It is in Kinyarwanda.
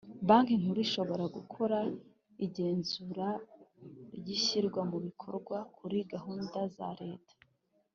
Banki Nkuru ishobora gukora igenzura ry’ishyirwa mubikorwa kuri gahunda za Leta